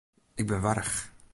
Ik bin warch.